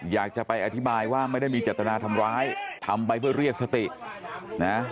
อยากจะไปอธิบายว่าไม่ได้มีเจตนาทำร้ายทำไปเพื่อเรียกสตินะ